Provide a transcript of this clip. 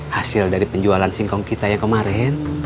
hasil dari penjualan singkong kita yang kemarin